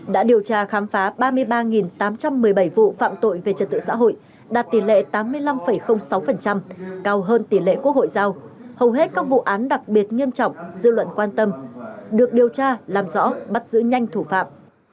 đã điều tra khám phá ba mươi ba tám trăm một mươi bảy vụ phạm tội về trật tự xã hội đạt tỷ lệ tám mươi năm sáu cao hơn tỷ lệ quốc hội giao hầu hết các vụ án đặc biệt nghiêm trọng dư luận quan tâm được điều tra làm rõ bắt giữ nhanh thủ phạm